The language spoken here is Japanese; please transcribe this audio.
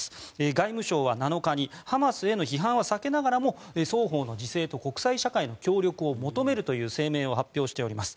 外務省は７日にハマスへの批判は避けながらも双方の自制と国際社会の協力を求めるという声明を発表しております。